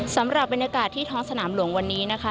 สำหรับบรรยากาศที่ท้องสนามหลวงวันนี้นะคะ